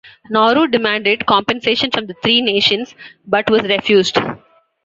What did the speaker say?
Nauru demanded compensation from the three nations, but was refused.